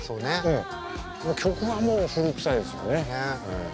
曲はもう古臭いですよね。